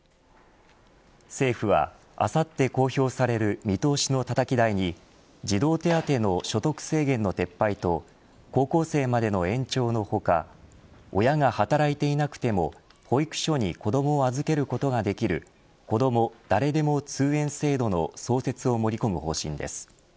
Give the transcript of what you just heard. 政府はあさって公表される見通しのたたき台に児童手当の所得制限の撤廃と高校生までの延長の他親が働いていなくても保育所に子どもを預けることができるこども誰でも通園制度の創設を盛り込む方針です。